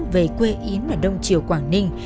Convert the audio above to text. về quê yến ở đông triều quảng ninh